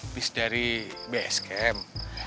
abis dari bskm